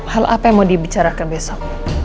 hal apa yang mau dibicarakan besok